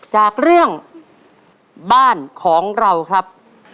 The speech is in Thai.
จากเรื่องบ้านของเราครับ